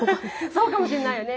そうかもしれないよね。